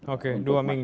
oke dua minggu